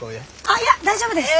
あっいや大丈夫です。